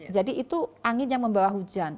jadi itu angin yang membawa hujan